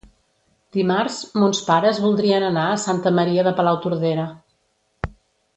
Dimarts mons pares voldrien anar a Santa Maria de Palautordera.